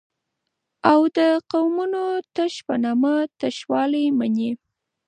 او دقومونو تش په نامه شته والى مني